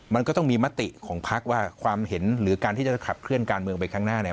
มันก็ต้องมีมติของพักว่าความเห็นหรือการที่จะขับเคลื่อนการเมืองไปข้างหน้าเนี่ย